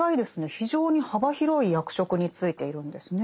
非常に幅広い役職に就いているんですね。